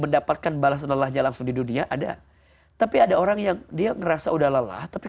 mendapatkan balasan lelahnya langsung di dunia ada tapi ada orang yang dia ngerasa udah lelah tapi